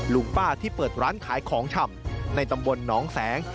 ลุงป้าที่เปิดร้านขายของชำในตำบลหนองแสง